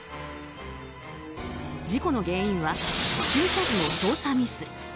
事故の原因は駐車時の操作ミス。